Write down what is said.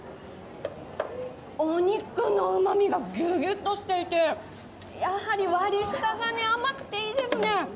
お肉のうまみがギュギュッとしていてやはり割り下が甘くていいですね。